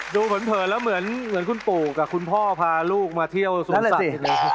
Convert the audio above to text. ดูเหมือนเกษตรแล้วดูเหมือนคุณปู่กับคุณพ่อพาลูกมาเที่ยวยังเป็นส่วนสับ